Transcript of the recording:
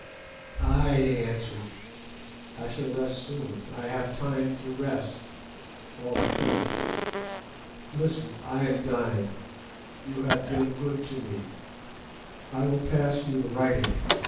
"'Ay,' he answered, 'I shall rest soon, I have time to rest—all eternity. Listen, I am dying! You have been good to me. I will give you the writing.